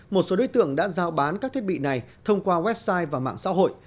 một số đối tượng đã giao bán các thiết bị này thông qua website và mạng xã hội